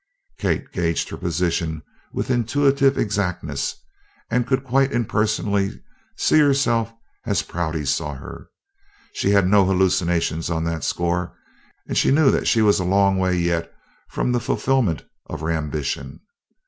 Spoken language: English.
Kate gauged her position with intuitive exactness, and could quite impersonally see herself as Prouty saw her. She had no hallucinations on that score and knew that she was a long way yet from the fulfillment of her ambition.